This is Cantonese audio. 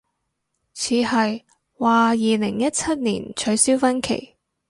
似係，話二零一七年取消婚期